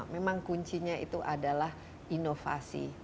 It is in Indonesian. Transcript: memang kuncinya itu adalah inovasi